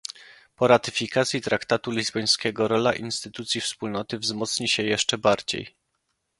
Po ratyfikacji traktatu lizbońskiego rola instytucji Wspólnoty wzmocni się jeszcze bardziej